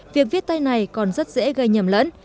việc viết tay này còn rất dễ gây nhầm lẫn